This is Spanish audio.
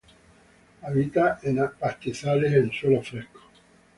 Habita en pastizales en suelos frescos.